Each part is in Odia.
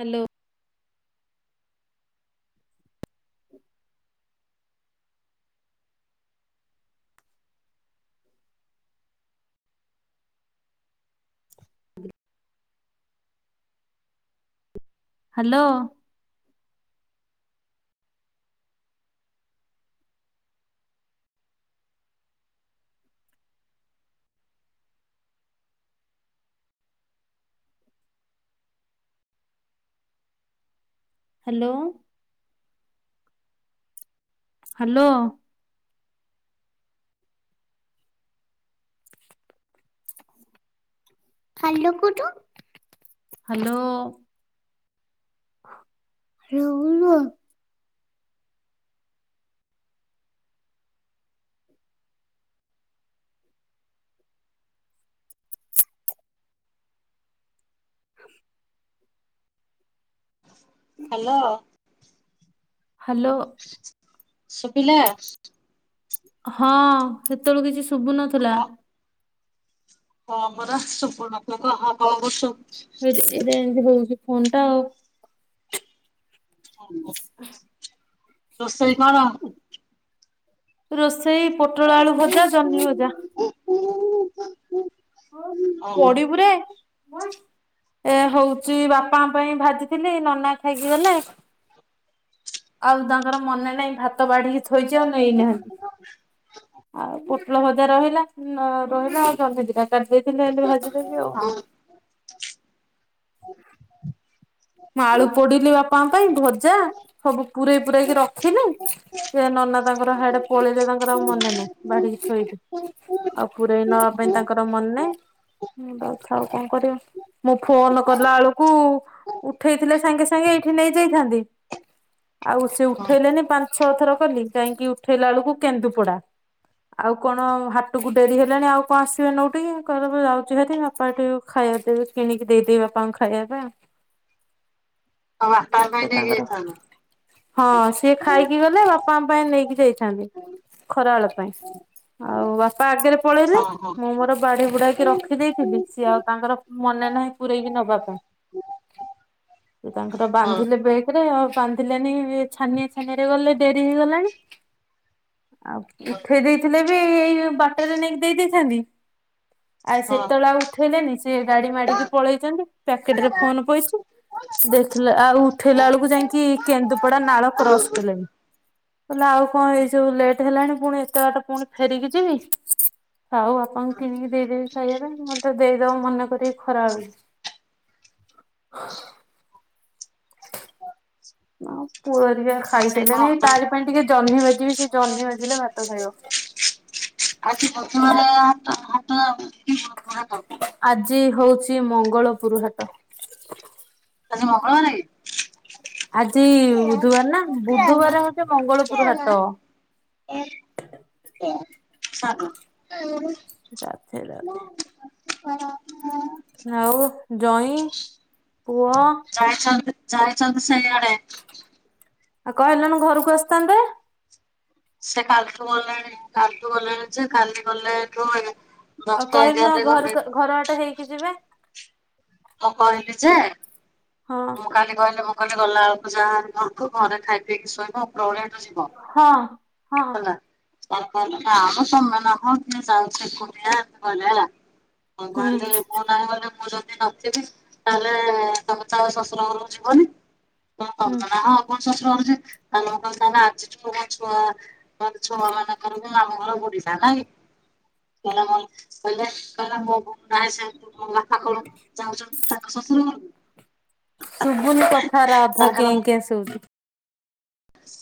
Hello [inaudible] hello. Hello. Hello. Hello କୋଉଠୁ ହ୍ୟାଲୋ ବିଡ଼ିସ୍ ରାହୁଲୁ ଆ [unintelligible] [inaudible] ହ୍ୟାଲୋ। ହାଲୋ। ସୁବିଲା। ହଁ ସେତଅଳୁ କିଛି ଶୁଭୁ ନଥିଲା। କଣ ହଁ ପରା ସୁପନଥିଲ ତ ହଁ କ, ଣ କରୁଛ [unintelligible] ଏଇଟି ଇରେ ଏମିତି ହଉଚି ଫୋନ ଟା ଆଉ। ରୋଷେଇ କଣ? ରୋଷେଇ ପୋଟଳ ଆଳୁ ଭଜା ଜହ୍ନି ଭଜା। ହଁ ଓହୋ ପଢ଼ିବୁୁରେ। [inaudible] ଏ ହଉଚି ବାପା ପାଇଁ ଭାଜିଥିଲି ନନା ଖାଇକି ଗଲେ। ଆଉ ତାଙ୍କର ମନେ ନାହିଁ ଭାତ ବାଢ଼ିକି ଥୋଇଛି ଆଉ ନେଇନାହାନ୍ତି ଆଉ ପୋ ଫୁଲ ଭଜା ରହିଲା ନ ରହିଲା ଆଉ ଜନ୍ମି ଦି ଟା ଭାଜିଦେବି ଆଉ। ମୁଁ ଆଳୁ ପୋଡ଼ିଲି ବାପାଙ୍କ ପାଇଁ ଭଜା ସବୁ ପୁରେଇ ପୁରେଇକି ରଖିଲି। ସିଏ ନନା ତାଙ୍କର ହାଡ଼େ ପଳେଇଲେ ତାଙ୍କର ଆଉ ମନେ ନାହିଁ ବାଡ଼ିକି ଥୋଇଲି। ଆଉ ପୁରଇ ନବା ପାଇଁ ତାଙ୍କର ମନ ନାହିଁ। ହୁଁ ଦାଉ ଖାଉ କ, ଣ କରିବା ମୁଁ ଫୋନ୍ କଲା ବେଳକୁ ଉଠେଇ ଥିଲେ ସାଙ୍ଗେ ସାଙ୍ଗେ ଏଇଠି ନେଇଯାଇଥାନ୍ତି ଆଉ ସେ ଉଠେଇଲେନି ପାଁ ଛଅ ଥର କଲି କାହିଁକି ଉଠେଇଲା ବେଳୁ କେନ୍ଦୁପଡ଼ା। ଆଉ କଣ ହାଟକୁ ଡ଼େରି ହେଲାଣି ଆଉ କ ଣ ଆସିବେ ନଉଟିକି କହିଲେ ମଁ ଯାଉଚି ହେଥି ବାପା ଏଠି ଖାଇବା ପିଇବା କିଣିକି ଦେଇଦିଏ ବାପାଙ୍କୁ ଖାଇବା। ବାପା ହେ ପାଇଁ ସେ ନେଇକି ତାଙ୍କର ଯାଇଥାନ୍ତ ହଁ। ତିଏ ଖାଇକି ଗଲେ ବାପା ଆମ ପାଇଁ ନେଇକି ଦେଇଥାନ୍ତି ଖରା ବେଳ ପାଇଁ। ଆଉ ବାପା ଆଗେରେ ପଳେଇଲେ ହଁ ହଁ ମୁଁ ମୋର ବାଡ଼ି ବୁଡ଼ାଇକି ରଖ ଠିକ୍ ଦେଇଥିଲି ସିଏ ଆଉ ତାଙ୍କର ମନେ ନାହିଁ ପୁରେଇକି ନବା ପାଇଁ। ସେ ତାଙ୍କର ହଁ। ବାନ୍ଧିଲେ ବେଗେରେ ଆଉ ବାନ୍ଧିଲେନି ଏ ଛାନିଆଁ ଛା ଥାନରେ ଗଲେ ଡ଼େରି ହେଇଗଲାଣି। ଆଉ ଉଠେଇ ଦେଇଥିଲେ ବି ଏଇ ବାଟରେ ନେଇକି ଦେଇ ଦେଇଥାନ୍ତି। ଆଉ ହଁ ସେତେବେଳ ଉଥେଇଲେନି ଗାଡ଼ି ମାଡ଼ିକି ପଳେଇଚନ୍ତି ପ୍ୟାକେଟେରେ ଫୋନ୍ ପଇଛି। ଦେଖିଲେ ଆଉ ଉଠେଇଲାା ଅଳକୁ ଯାଇଁକି କେନ୍ଦୁପଡ଼ା ନାଳ କ୍ରସ୍ କଲେଣି। କଲେ ଆଉ କଣ ଏଇ ସବୁ ଲେଟ୍ ହେଲାଣି ପୁଣି ଏତେ ବାଟା ପୁଣି ଫେରିକି ଯିବି ହଉଆଉ। କିଣିକି ଦେଇଦେବି ଖାଇବା ପାଇଁ ମନତେ ଦେଇଦବ ମନେ କରିକି ଖରା ବେଳକୁ। ନାଁଉ ପୁଅରିଆ [unintelligible] ରୋଷେଇ କଣ ଖାଇସାଇଲେଣି ତ ତାରି ପାଇଁ ଟିକେ ଜହ୍ନି ବାଜିବି ସେ ଜହ୍ନି ବାଜିଲେ ଭାତ ଖାଇବ। ଆଜି ପ୍ରଧମର [inaudible] ତ ମହା ଆଜି ହଉଛି ମଙ୍ଗଳପୁରୁ ହାଟ। ଆଜି ମଙ୍ଗଳବାର। ଆଜି ବୁଧୁବାର ନା ବୁଧବାର ହଉଛି ମଙ୍ଗଳପୁର ହାଟ। [unintelligible] ଗାଧେଇଲା [inaudible] [unintelligible] ଆଉ ଜଇଁ ପୁଅ ଯାଇଛନ୍ତି ଯାଇଛନ୍ତି ସେଇଆଡେ। ଆଉ କହିଲୁନି ଘରକୁ ଆସିଥାନ୍ତେ? ସେ କାଲିଠୁ ଗଲେଣି କାଲିଠୁ ଗଲେଣି ଯେ କାଲି ଗଲେ କୁଆଡେ ଆଉ କହିଲି ନ ଘରକୁ ଘର ବାଟେ ହେଇକି ଯିବେ। ମୁଁ କହିଲି ଯେ ହଁ ମୁଁ କାଲି କହିଲି ମୁଁ କହିଲି ଗଲା ବେଳକୁ ଯାହା ଘରକୁ ଘରେ ଖାଇ ପିଇକି ଶୋଇବୁ ଉପରାବେଳୁକୁ ଯିବ। ହଁ ହଁ। ସେ କହିଲେ ନା ମ କିଏ ଯାଉଚି ଏକୁଟିଆ [unintelligible] ହଉ ହୁଁ ଗଲେ ମୁଁ ନାହିଁ ଗଲେ ମୁଁ ଯଦି ନଥିବି ତାହେଲେ ତମେ ତ ଆଉ ଶଶୁର ଘର କୁ ଯିବନି ହୁଁ। ତମେ ନାହଁ। ମୋ ଶଶୁର ଘର ଯିବି [unintelligible] ଆଜିଠୁ ମୋ ଛୁଆ [unintelligible] ଛୁଆ ମାନଙ୍କର ମାମୁଁ ଘର ବୁଢିଲା ନାଇ। କହିଲ କହିଲେ କହିଲା ମୋ ବୋଉ [unintelligible] ମୋ ବାପା କଣ ଯାଉଛନ୍ତି ତାଙ୍କ ଶଶୁର ଘରକୁ। ସୁଭିନି କଥାଗୋରା ତାର ଅଧା କହିଲା କେଁ କେଁ ଶୁଭୁଛି।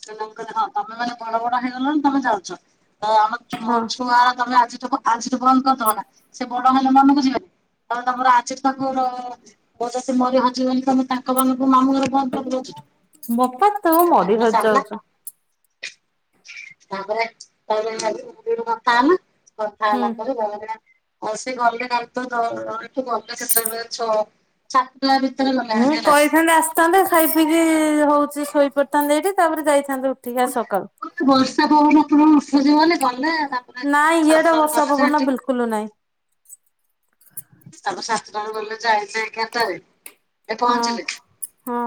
[unintelligible] ତମେ ମାନେ ବଡ ବଡ ହେଇଗଲଣି ତମେ ଯାଉଛ ତ ଆମେ ମୋ ହଁ ଛୁଆ ତମେ ଆଜି ଠୁ ଆଜିଠୁ ବନ୍ଦ କରିଦବ ନା ସେ ବଡ ହେଲେ ମନକୁ ଯିବେନି [inaudible] ତମର ଆଜିଠୁ ତାଙ୍କର ମୁଁ ଯଦି ମରି ହଜିଗଲି ତମେ ତାଙ୍କ ମାନ ଙ୍କୁ ମାମୁଁ ଘର ବନ୍ଦ କରିଦବ ଆଜିଠୁ। ବୋପା ତୁ ମରି ସରିଲା ହଜିଯାଉଚୁ। ତାପରେ ତାପରେ ଖାଲି ଏତିକି କଥା ହେଲା। କଥା ହୁଁ। ହେଲା ପରେ କହିଲା ଆଉ ସେ ଗଲେ ତା [unintelligible] ଛାଡିଲା ଭିତରେ ଗଲାଭରି ହେଲା। ଥାନ୍ତେ ଖାଇ ପିଇକି ହଉଛି ଶୋଇ ପଡିଥାନ୍ତେ ଏଇଠି ତାପରେ ଯାଇଥାନ୍ତେ ଉଠିକି। ଆଜି ସକାଳୁ। ବର୍ଷା ପବନ [inaudible] ଉଠୁଛି ବୋଲି ଗଲେ ତାପରେ ଶାସନ ଗଲେ ଯେ ହେଠିକି କୁଲୁ ନାହିଁ। ତାଙ୍କ ଶାସନ ଗଲେ ଯେ ଅଇଲେ ଏଗାରଟା ରେ ଏଠୁ ହଁ ପହଁଚିଲେ। ହଁ।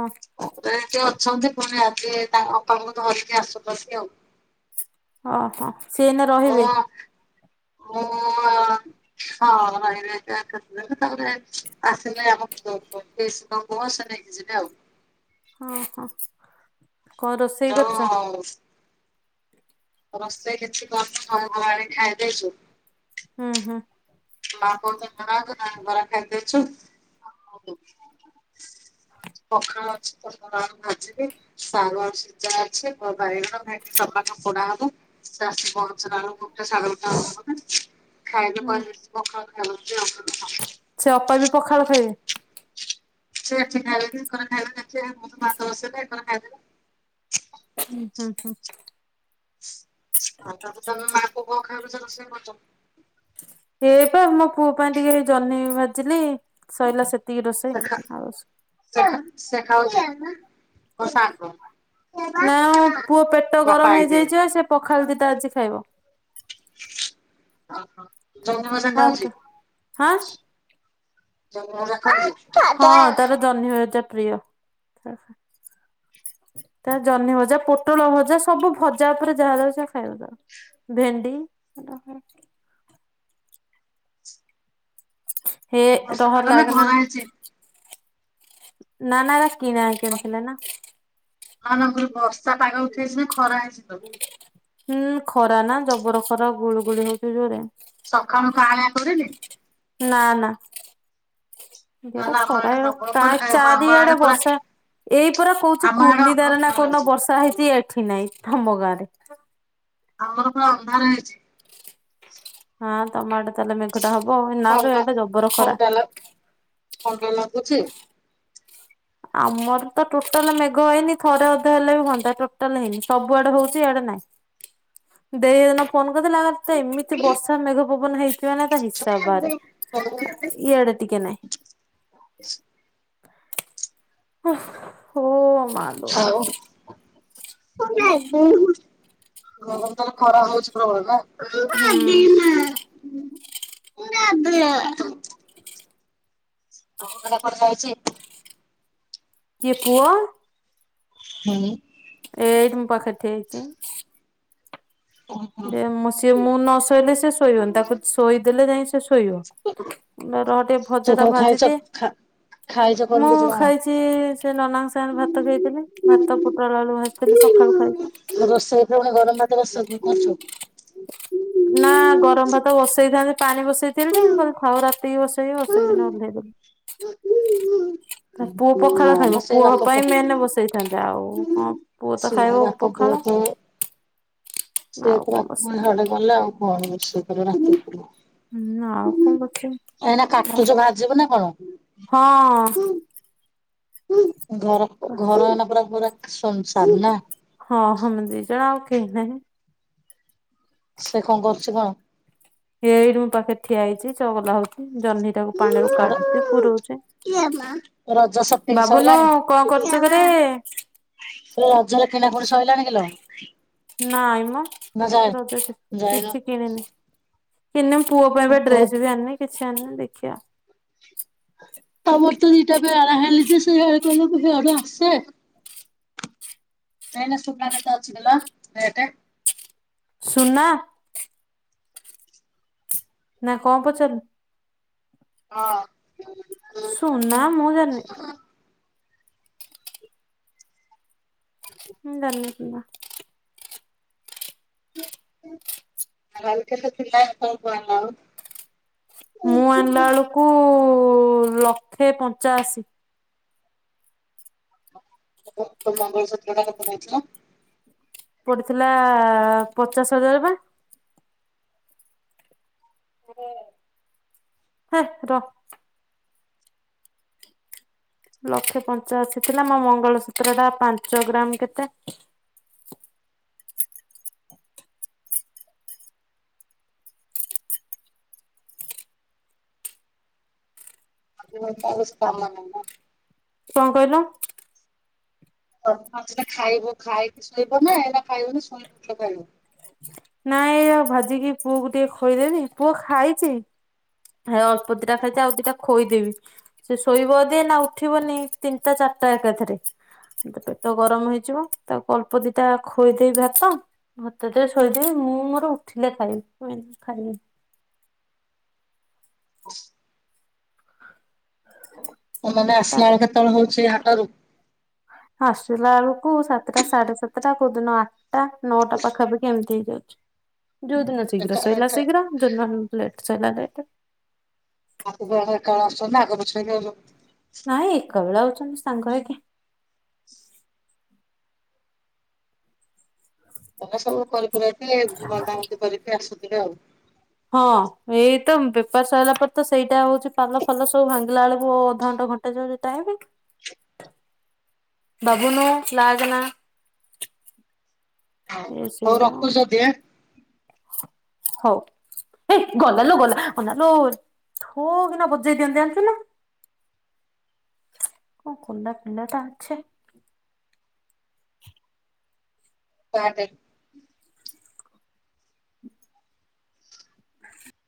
ହେଠି ଅଛନ୍ତି ପୁଣି ଆଜି ତାଙ୍କ ଅପାଙ୍କୁ ଧରିକି ଆସୁଛନ୍ତି ଆଉ। ହଁ ହଁ। ହଁ ମୁଁ ଅ ହଁ [inaudible] ତାପରେ ଆସିଲେ ଆମ [inaudible] ଯିବେ ଆଉ। ହଁ ହଁ କଣ ରୋଷେଇ ଯୋଉ କରିଚ? ରୋଷେଇ କିଛି କରିନି ଦହି ବରା ଆଣିକି ଖାଇଦେଇଚୁ। ଉ ହୁଁ। ମା ପୁଅ ଦୁଇଜଣଙ୍କା ଦହିବରା ଖାଇଦେଇଛୁ। ପଖାଳ ଅଛି ପୋଟଳ ଆଳୁ ଭାଜିବି। ସାରୁ ଆଳୁ ସିଝା ଅଛି ବାଇଗଣ ଭେଣ୍ଡି ଟମାଟୋ ପୋଡା ହବ। ସେ ଆସି ପହଁଚିଲା ବେଲୁକୁ ଗୋଟେ ସାଢେଗୋଟେ ହୁଁ ହବ ବୋଧେ [unintelligible] ସେ ଅପା ବି ପଖାଳ ଖାଇବେ? ସେ ଏଠି ଖାଇକି [unintelligible] [unintelligible] ଉ ହୁଁ ହୁଁ ହୁଁ। ଆଉ ତମେ ମା ପୁଅ କଣ ଖାଇବ ଯେ ରୋଷେଇ କରୁଚ? ଏଇପା ମୋ ପୁଅ ପାଇଁ ଟିକେ ଏଇ ଜହ୍ନି ଭାଜିଲି ସଇଲା ସେ ତିି ରୋଷେଇ ସେ ଖା ଆଉ ସେ ଖାଉଛି ଓ ସାଗ। ନା ପୁଅ ପେଟ ବାପା ଗରମ ଆଇଲେ ହେଇଯାଇଛିି ବା ସେ ପଖାଳ ଦିଟା ଆଜି ଖାଇବ। ଜହ୍ନି ଭଜା ଭାତ ଖାଉଛି ହାଁ ଜହ୍ନିଭଜା ଖାଉଛି। ହଁ ତାର ଜହ୍ନି ଭଜା ପ୍ରିୟ। ଫାଙ୍କା ଅଡ଼ିଓ। ତାର ଜହ୍ନି ଭଜା ପୋଟଳ ଭଜା ସବୁ ଭଜା ଉପରେ ଯାହା ଦବ ସେ ଖାଇବା ତାର। ଭେଣ୍ଡି। ହେ ବର୍ଷା ରହ ପାଗ ନା ଲାଗନା। ଖରା ହେଇଛି। ନା ନା ଏ ରା କିଣା ହେଇକି ଆସିଥିଲା ନା। ହଁ ନା ପୁରା ବର୍ଷା ପାଗ ଉଠାଇଛି ନା ଖରା ହେଇଛିି ଲୋ। ହୁଁ ଖରା ନା ଜବର ଖରା ଗୁଳ ଗୁଳି ହଉଛି ଜୋରେ। ସକାଳୁ କାଆଁଳିଆ କରିନି। ନା ନା [unintelligible] ତାହେଲେ ଆମ ଆଡେ ଖରା ପ୍ରବଳ ଖରା ପାଞ୍ଚ ଆମ ଆଡେ ଚାରିଆଡେ ପୁରା ବର୍ଷା। ଏଇ ପରା କହୁଛି ଆମ ଆଡେ କୁନି ଦାରଣା ଅନ୍ଧାର କନ ହେଇଛି ବର୍ଷା ହେଇଛି ଏଠି ନାଇଁ ଆମ ଗାଁ ରେ। ଆମର ପୁରା ଅନ୍ଧାର ହେଇଛି। ହଁ ତମ ଆଡେ ତାହେଲେ ମେଘ ଟା ହବ ନା ଥଣ୍ଡା [unintelligible] ଜବର ଖରା। ଥଣ୍ଡା ଲା ଥଣ୍ଡା ଲାଗୁଛି। ଆମର ତ ଟୋଟାଲ ମେଘ ହେଇନି ଥରେ ଅଧେ ହେଲେ ବି ହୁଅନ୍ତା ଟୋଟାଲ ହେଇନି ସବୁଆଡେ ହଉଛି ଇଆଡେ ନାହିଁ। ଦେଇହେଦିନ ଫୋନ କରିଥିଲା ତ ଏମିତି ବର୍ଷା ମେଘ ପବନ ହେଇଛି ମାନେ ତା ହିସାବ ବାହାରେ ଇଆଡେ ଟିକେ ନାଇଁ। ଓହ୍ ହୋ ମା ହଉ। [unintelligible] ଖରା ହଉଛି ପ୍ରବଳ ନା। [unintelligible] ପ୍ରଛି [unintelligible] କିଏ ପୁଅ। ହୁଁ। ଏଇଠି ମୋ ପାଖରେ ଠିଆ ହେଇଛି। [unintelligible] ଯେ ମୁଁ ସିଏ ମୁଁ ନ ଶୋଇଲେ ସେ ଶୋଇବନି ତାକୁ ଶୋଇଦଲେ ଯାଇଁ ସେ ଶୋଇବ ର ଟିକେ ଭଜା ଟା ଭାଜିଦିଏ। ଖାଇଯାଉ। ମୁଁ ଖାଇଛି ସେ ନନାଙ୍କ ସାଙ୍ଗରେ ଭାତ ଖାଇଥିଲି ଭାତ ପୋଟଳ ଆଳୁ ଭାଜିଥିଲି ସକାଳୁ ଖାଇଛି। ତମେ ଗରମ ଭାତ [unintelligible] କରୁଛ। ନା ଗରମ ଭାତ ବସେଇ ଥାନ୍ତି ପାଣି ବସେଇ ଥିଲି ଯେ ମୁଁ କହିଲି ଥାଉ ରାତି କୁ ବସେଇବି ବସେଇବି ନି ଓହ୍ଲେଇଦେଲି। [inaudible] ତା ପୁଅ ହଁ ପଖାଳ ହଁ ଖାଇବ ମୁଁ ସେଇ ପୁଅ ବାପ ପାଇଁ ମେନ ବସେଇଥାନ୍ତି ଆଉ କଣ ପୁଅ ତ ସେ ଖାଇବ ବାପ ପୁହ ପଖାଳ ତ ଆଉ କଣ ବସେଇବା [unintelligible] [unintelligible] ହୁଁ ଆଉ କଣ ବ ଏ ନା କାଟୁଛୁ ଭାଜିବୁ ନା କଣ? ହଁ। ଘର ଘର ଏନା ପୁରା ପୁରା ଶୁନ୍ ଶାନ୍ ନା। ହଁ ଆମେ ଦିଜଣ ଆଉ କେହି ନାହିଁ। ସେ କଣ କରୁଛି କଣ? ଏଇଠି ମୋ ପାଖରେ ଠିଆ ହେଇଛି ଚଗଲା ହଉଛି ଜହ୍ନି ଟାକୁ ପାଣିରୁ କାଢୁଛି ପୁରଉଛି। ରଜ ସପିଙ୍ଗ ବାବୁନୁ କଣ କରୁଛୁ କିରେ ସଇଲାଣି। ଲୋ ରଜରେ କିଣାକିଣି ସଇଲାଣି କି ଲୋ? ନାଇଁମ ରଜ ସ ଯାଇନ କିଛି କିଣି ନି। ମିନିମମ ପୁଅ ପାଇଁ ବା ପୁଅ ଡ୍ରେସ ବି ଆଣନି କିଛି ଆଣନି ଦେଖିିଆ। ତମର ତ ଦିଇଟା ବେଳା ହେଲି ଯେ ସେ [unintelligible] ଖାଲି କହିବ ହେଆଡୁ ଆସେ। ଏଇନା ସୁୁନା କେତେ ଅଛି କିଲୋ ରେଟେ? ସୁନା। ନା କଣ ପଚାରିଲୁ? ହଁ। ସୁନା ମୁଁ ଜାଣିନି। ମୁଁ ଜାଣିନି ସୁନା। [unintelligible] ଥିଲା ମୋଟ ଆମାଉଣ୍ଟ। ମୁଁ ଆଣଲା ବେଳକୁ ଲକ୍ଷେ ପଞ୍ଚାଅଶୀ। ଓହୋଃ ତୋ ମଙ୍ଗଳ ସୂତ୍ର ଟା କେତେ ନେଇଥିଲା? ପଡ଼ିଥିଲା ପଚାଶ ହଜାର ବା। [unintelligible] ହେ ରଅ ଲକ୍ଷେ ପଞ୍ଚାଅଶୀ ଥିଲା ମୋ ମଙ୍ଗଳସୂତ୍ର ଟା ପାଞ୍ଚ ଗ୍ରାମ କେତେ। ସବୁବେଳେ ଆଉ କିଛି କମୁ ନାହିଁ ନା। କଣ କଇଲ? ପଖାଳ ଦିଟା ଖାଇବୁ, ଖାଇକି ଶୋଇବୁ ନା ଏଇନା ଖାଇବୁନୁ ଶୋଇ ପ [unintelligible] ନାଇଁ ଏଇଆଉ ଭାଜିକି ପୁଅକୁ ଟିକେ ଖୋଇଦେବି। ପୁଅ ଖାଇଚି। ହେ ଅଳ୍ପ ଦିଟା ଖାଇଚି ଆଉ ଦିଟା ଖୋଇଦେବି। ସେ ଶୋଇବ ଅଦି ଏଇନା ଉଠିବନି ତିନିଟା ଚାଟା ଏକାଥରେ। ପେଟ ଗରମ ହେଇଯିବ ତାକୁ ଅଳ୍ପ ଦିଟା ଖୋଇଦେବି ଭାତ। [unintelligible] ଶୋଇଦେବି ମୁଁ ମୋର ଉଠିଲେ ଖାଇବି ମୁଁ ଏଇନା ଖାଇମିନି। [unintelligible] [inaudible] ପୁଅ ମାନେ ଆସିଲା ଳେ କେତେବେଳ ହଉଛି ହାଟରୁ? ଆସିଲା ଆଳକୁ ସାତଟା ସାଢେ ସାତଟା କୋଉଦିନ ଆ ଟା ନଅଟା ପାଖାପାଖି ଏମିତି ହେଇଯାଉଛି। ଯୋଉଦିନ ଶୀଘ୍ର ଏକା ସଇଲା ଏକା ଶୀଘ୍ର ଜଉ ଦିନ ଲେଟ୍ ସଇଲା ଲେଟ। ଆସିଲା ବେଳେ ଏକାବେଳେ ଆସୁଛନ୍ତି ନାଁ ଆଗ ପଛ ହେଇକି ଆଉଛନ୍ତି। ନାଇଁ ଏକା ବେଳେ ଅଉଚନ୍ତି ସାଙ୍ଗ ହେଇକି। ତମେ ସବୁ କରିକୁରାକି ବନ୍ଧାବନ୍ଧୀ କରିକି ଆସୁଥିବେ ଆଉ। ହଁ ଏଇ ତ ବେପାର ସଇଲା ପରେ ତ ସେଇଟା ହଉଛି ପାଲ ଫାଲ ସବୁ ଭାଙ୍ଗିଲା ବେଳକୁ ଅଧଘଣ୍ଟେ ଘ ଣ୍ଟେ [unintelligible] ଟାଇମ [inaudible] ବାବୁନୁ ଲାଗେନା। ୟେଶ ଶି ହଉ ଡାଉନ। ରଖୁଛି [inaudible] ହଉ। ହେ ଗଲା ଲୋ ଗଲା ଗଲା ଅନା ଲୋ ଠୋ କିନା ବଜେଇ ଦିଅନ୍ତି ଯାଣିଚୁନା। [inaudible] କଣ କଲା ପିଲାଟା ଛେ। କାଟେ। [inaudible]